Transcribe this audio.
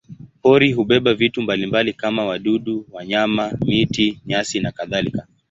Pori hubeba vitu mbalimbali kama wadudu, wanyama, miti, nyasi nakadhalika.